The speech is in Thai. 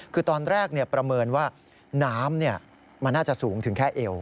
คือตอนแรกประเมินว่าน้ำมันน่าจะสูงถึงแค่เอว